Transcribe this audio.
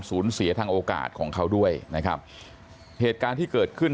สูญเสียทางโอกาสของเขาด้วยนะครับเหตุการณ์ที่เกิดขึ้น